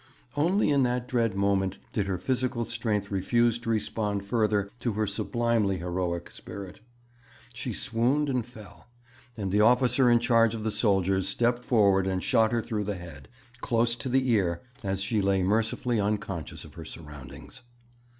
Only in that dread moment did her physical strength refuse to respond further to her sublimely heroic spirit. She swooned and fell; and the officer in charge of the soldiers stepped forward and shot her through the head, close to the ear, as she lay mercifully unconscious of her surroundings.